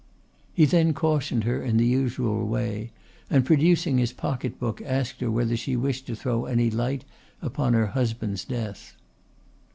He then cautioned her in the usual way, and producing his pocket book asked her whether she wished to throw any light upon her husband's death.